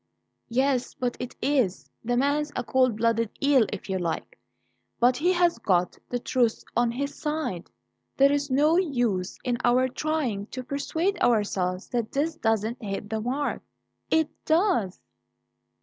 "Yes, but it is. The man's a cold blooded eel, if you like; but he's got the truth on his side. There is no use in our trying to persuade ourselves that this doesn't hit the mark it does!"